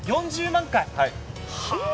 ４０万回。